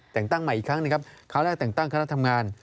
แต่กตั้งมาอีกครั้งคราวแรกแต่งตั้งคณะทำงาน